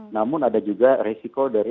namun ada juga resiko dari